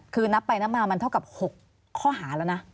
คือนับไปนับมามันเท่ากับ๖ข้อหาแล้วนะ